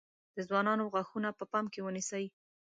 د ځوانانو غاښونه په پام کې ونیسئ.